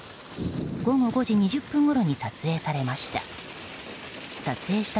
午後５時２０分ごろに撮影されました。